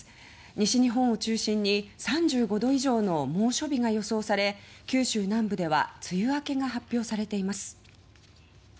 西日本を中心に３５度以上の猛暑日が予想され九州南部では梅雨明けが発表されています。